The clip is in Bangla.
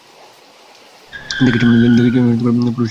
দেখেছেন রচনার পৌরুষ।